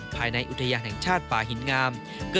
ภายในอุทยานแห่งชาติป่าหินงาม